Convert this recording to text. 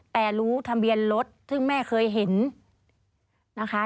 แต่รู้ทะเบียนรถซึ่งแม่เคยเห็นนะคะ